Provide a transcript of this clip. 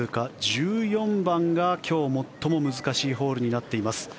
１４番が今日最も難しいホールになっています。